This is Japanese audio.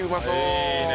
いいね。